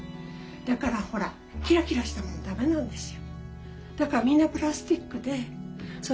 だからほらキラキラしたのはダメなんですよ。